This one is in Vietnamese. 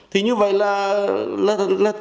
thì như vậy là